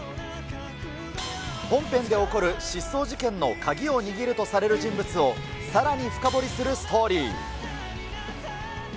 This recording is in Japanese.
本編で起こる失踪事件の鍵を握るとされる人物をさらに深掘りするストーリー。